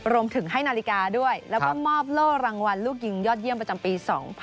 รวมถึงให้นาฬิกาด้วยแล้วก็มอบโล่รางวัลลูกยิงยอดเยี่ยมประจำปี๒๐๑๖